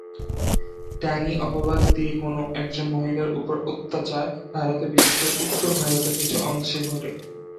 ডাইনি অপবাদ দিয়ে কোনো একজন মহিলার উপর অত্যাচার ভারতে বিশেষ করে উত্তর ভারতের কিছু অংশে ঘটে।